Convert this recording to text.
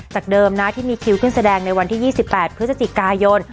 เดิมนะที่มีคิวขึ้นแสดงในวันที่๒๘พฤศจิกายน